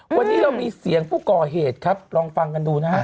วันนี้เรามีเสียงผู้ก่อเหตุครับลองฟังกันดูนะฮะ